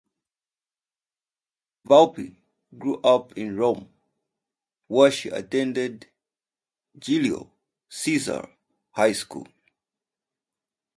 Volpi grew up in Rome where she attended Giulio Cesare high school.